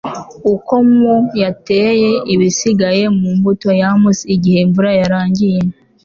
okonkwo yateye ibisigaye mu mbuto-yams igihe imvura yarangiye